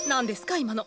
今の。